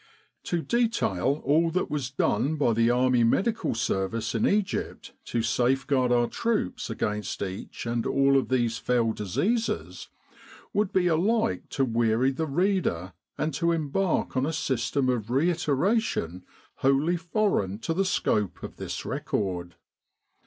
182 Epidemic Diseases To detail all that was done by the Army Medical Service in Egypt to safeguard our troops against each and all of these fell diseases, would be alike to weary the reader and to embark on a system of reiteration wholly foreign to the scope of this record.